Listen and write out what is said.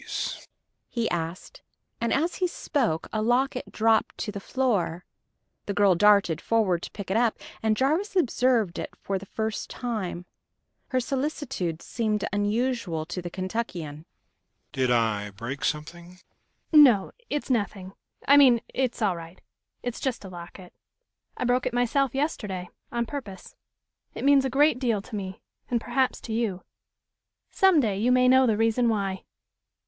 "What about these?" he asked, and as he spoke a locket dropped to the floor. The girl darted forward to pick it up, and Jarvis observed it for the first time. Her solicitude seemed unusual to the Kentuckian. "Did I break something?" "No. It's nothing. I mean, it's all right. It's just a locket. I broke it myself yesterday, on purpose. It means a great deal to me, and perhaps to you. Some day you may know the reason why